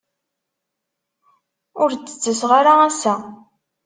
Ur d-ttaseɣ ara ass-a.